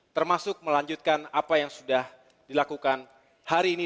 termasuk melanjutkan apa yang sudah dilakukan hari ini